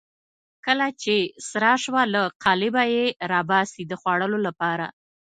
کله چې سره شوه له قالبه یې راباسي د خوړلو لپاره.